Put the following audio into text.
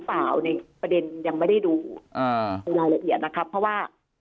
เปล่าในประเด็นยังไม่ได้ดูอ่าดูรายละเอียดนะครับเพราะว่า